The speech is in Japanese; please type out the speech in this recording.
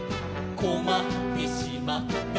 「こまってしまって」